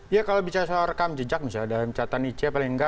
ya kalau bicara soal rekam jejak misalnya ada catan icw paling enggak